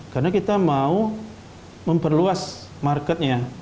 karena kita mau memperluas marketnya